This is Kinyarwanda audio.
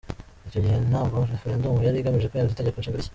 Icyo gihe na bwo Referendumu yari igamije kwemeza Itegeko Nshinga rishya.